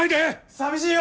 寂しいよ！